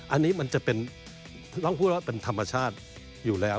อันนี้มันจะเป็นต้องพูดว่าเป็นธรรมชาติอยู่แล้ว